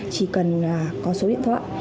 chỉ cần là có số điện thoại